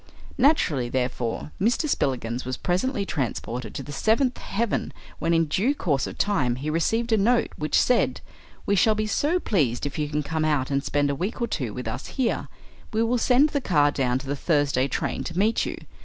Naturally, therefore, Mr. Spillikins was presently transported to the seventh heaven when in due course of time he received a note which said, "We shall be so pleased if you can come out and spend a week or two with us here. We will send the car down to the Thursday train to meet you.